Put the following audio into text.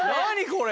これ。